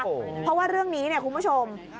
เพราะว่าเรื่องนี้เนี่ยคุณผู้ชม